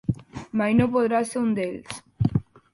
Mai no podrà ser un d'ells.